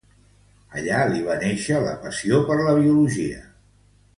Allà li va nàixer la passió per la biologia.